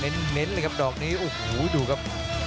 เน้นเลยครับดอกนี้โอ้โหดูครับ